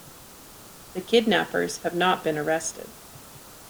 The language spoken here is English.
The kidnappers have not been arrested.